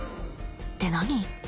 って何？